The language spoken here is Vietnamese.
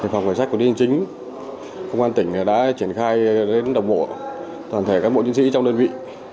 phòng giám đốc công an tỉnh ninh bình đã triển khai đến đồng bộ toàn thể các bộ chiến sĩ trong đơn vị